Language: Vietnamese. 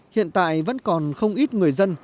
hiện tại vẫn còn không ít người dân